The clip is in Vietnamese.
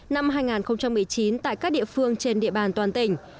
năm hai nghìn một mươi chín tại các địa phương trên địa bàn toàn tỉnh